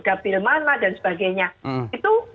dapil mana dan sebagainya itu